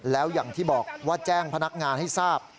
แล้วอย่างที่บอกว่าแจ้งพนักงานให้ทราบ